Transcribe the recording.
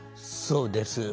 そうです。